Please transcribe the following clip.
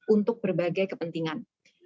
untuk berbagai kepentingan